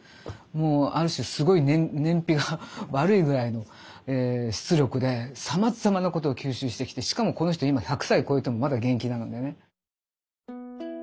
ある種すごい燃費が悪いぐらいの出力でさまざまなことを吸収してきてしかもこの人今１００歳こえてもまだ現役なのでね。